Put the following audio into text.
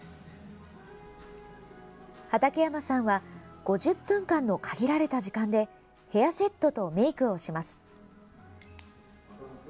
畠山さんは５０分間の限られた時間でヘアセットとメークをします。